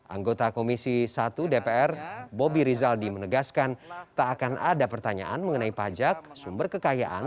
anggota komisi satu dpr bobi rizaldi menegaskan tak akan ada pertanyaan mengenai pajak sumber kekayaan